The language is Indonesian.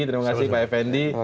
terima kasih pak effendi